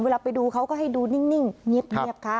เวลาไปดูเขาก็ให้ดูนิ่งเงียบค่ะ